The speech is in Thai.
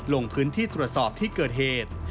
ลงพื้นที่ตรวจสอบที่เกิดเหตุ